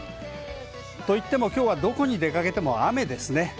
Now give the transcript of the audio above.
といってもきょうはどこに出かけても雨ですね。